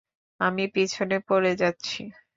আমি পেছনে পড়ে যাচ্ছি!